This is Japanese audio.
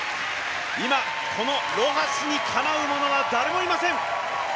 今、このロハスにかなうものは誰もいません。